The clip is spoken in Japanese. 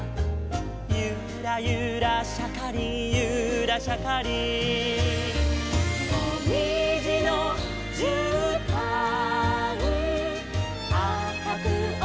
「ゆらゆらしゃかりんゆらしゃかりん」「もみじのじゅうたんあかくおやまをそめて」